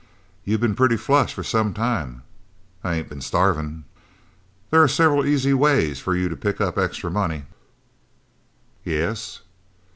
"You've been pretty flush for some time." "I ain't been starvin'." "There are several easy ways for you to pick up extra money." "Yes?"